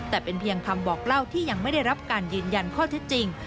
แต่เป็นเพียงคำบอกเล่าที่ยังไม่ได้รับการยืนยันข้อเท็จจริง